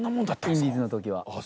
インディーズの時は。